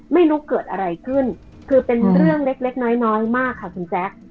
ไม่รู้เกิดอะไรขึ้นคือเป็นเรื่องเล็กเล็กน้อยน้อยมากค่ะคุณแจ๊ค